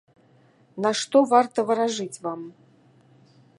На што варта варажыць вам?